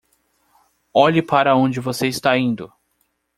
Olhe para onde você está indo!